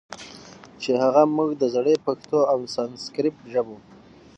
چې هغه موږ د زړې پښتو او سانسکریت ژبو